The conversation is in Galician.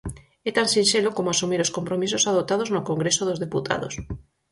É tan sinxelo como asumir os compromisos adoptados no Congreso dos Deputados.